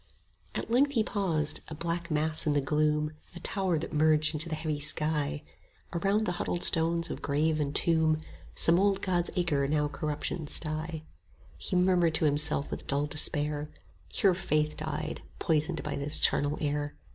At length he paused: a black mass in the gloom, A tower that merged into the heavy sky; Around, the huddled stones of grave and tomb: Some old God's acre now corruption's sty: 10 He murmured to himself with dull despair, Here Faith died, poisoned by this charnel air.